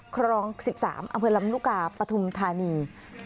ครอง๑๓อเวลมนุกาปฐุมธานี